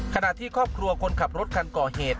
ขณะที่ครอบครัวคนขับรถคันก่อเหตุ